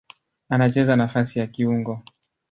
Anacheza nafasi ya kiungo.